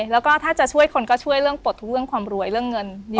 แล้วก็ถ้าจะช่วยคนก็ช่วยเรื่องปลดทุกเรื่องความรวยเรื่องเงิน